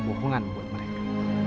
sebuah kebohongan buat mereka